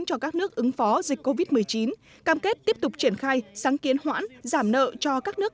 cho các nước ứng phó dịch covid một mươi chín cam kết tiếp tục triển khai sáng kiến hoãn giảm nợ cho các nước